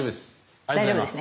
大丈夫です。